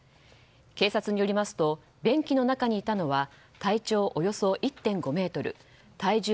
警察によりますと便器の中にいたのは体長およそ１．５ｍ体重